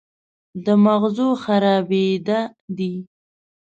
د مغزو خرابېده دي